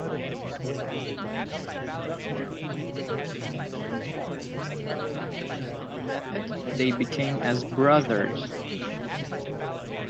In spite of sharply defined differences in temperament and method, they became as brothers.